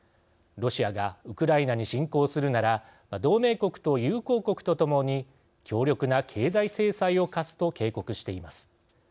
ロシアがウクライナに侵攻するなら同盟国と友好国とともに強力な経済制裁を科すと警告しています。